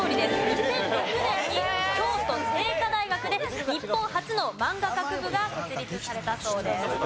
２００６年に京都精華大学で日本初のマンガ学部が設立されたそうです。